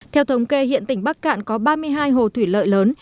theo thống kê hiện tỉnh bắc cạn có ba mươi hai hồ thủy lợi lớn